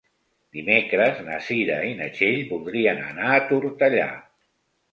Dimecres na Cira i na Txell voldrien anar a Tortellà.